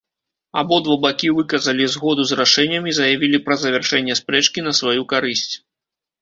Абодва бакі выказалі згоду з рашэннем і заявілі пра завяршэнне спрэчкі на сваю карысць.